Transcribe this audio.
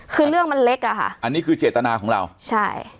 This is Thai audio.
คือเรื่องมันเล็กอ่ะค่ะอันนี้คือเจตนาของเราใช่